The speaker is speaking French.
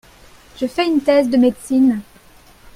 Je fais une thèse de médecine.